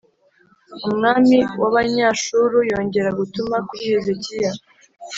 Umwami w’Abanyashuru yongera gutuma kuri Hezekiya,